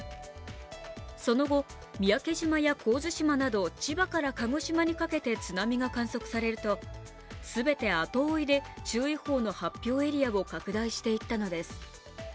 その後、三宅島や神津島など千葉から鹿児島にかけて津波が観測されると、すべて後追いで注意報の発表エリアを拡大していったのです。